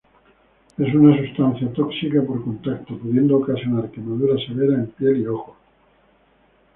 Es una sustancia tóxica por contacto, pudiendo ocasionar quemaduras severas en piel y ojos.